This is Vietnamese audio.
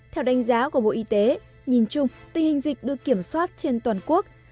theo đánh giá của bộ y tế nhìn chung tình hình dịch được kiểm soát trên toàn quốc